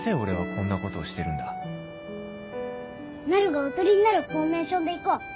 なるがおとりになるフォーメーションでいこう。